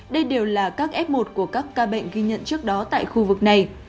đây đều là các f một của các ca bệnh ghi nhận trước đó tại khu vực này